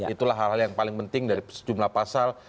itulah hal hal yang paling penting dari sejumlah pasal